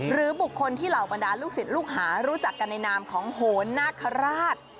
หรือบุคคลที่เหล่าบรรดาลูกศิษย์ลูกหารู้จักกันในนามของโหนนาคาราช